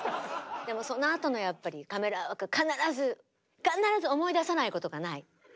でもそのあとのカメラワークが必ず必ず思い出さないことがない。